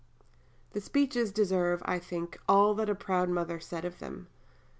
The speeches deserve, I think, all that the proud mother said of them.